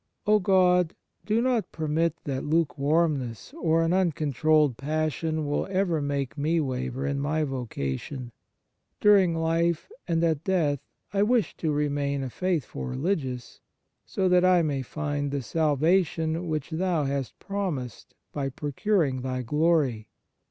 O God, do not permit that lukewarmness or an uncontrolled passion will ever make me waver in my vocation. During life and at death I wish to remain a faithful religious, so that I may find the salvation which Thou hast promised by procuring Thy glory.